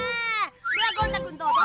ではゴン太くんどうぞ。